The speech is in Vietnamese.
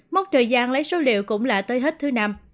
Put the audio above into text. mốc thời gian lấy số liệu cũng là tới hết thứ năm